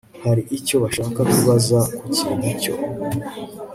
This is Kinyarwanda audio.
hari icyo bashaka kubaza ku kintu icyo